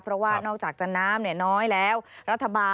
ร้อนจัดด้วยฮะ